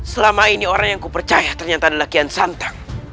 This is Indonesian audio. selama ini orang yang kupercaya ternyata adalah kian santang